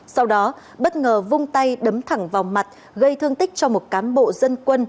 sau đó bất ngờ vung tay đấm thẳng vào mặt gây thương tích cho một cán bộ dân quân